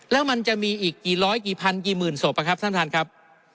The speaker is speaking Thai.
แล้วมันจะมีอีกกี่ร้อยกี่พันกี่หมื่นศพนะครับท่านท่านครับ